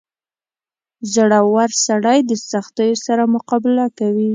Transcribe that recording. • زړور سړی د سختیو سره مقابله کوي.